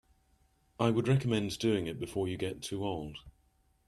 I would recommend doing it before you get too old.